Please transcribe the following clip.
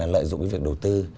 lợi dụng cái việc đầu tư